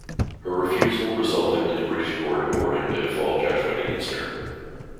Her refusal resulted in the British Court awarding a default judgment against her.